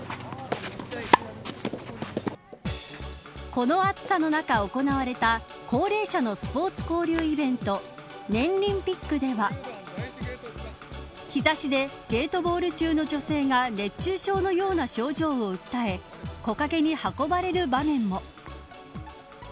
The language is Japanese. この暑さの中行われた高齢者のスポーツ交流イベントねんりんぴっくでは日差しでゲートボール中の女性が熱中症のような症状を訴え木陰に運ばれる場面も。